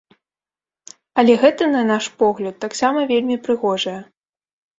Але гэта, на наш погляд, таксама вельмі прыгожая.